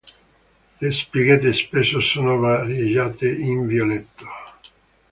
Le spighette spesso sono variegate in violetto.